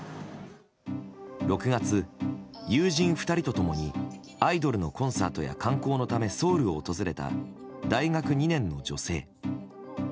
６月、友人２人と共にアイドルのコンサートや観光のためソウルを訪れた大学２年の女性。